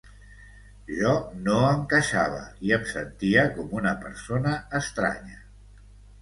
Jo no encaixava i em sentia com una persona estranya.